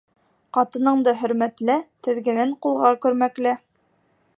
Ҡатыныңды хөрмәтлә, теҙгенен ҡулға көрмәклә.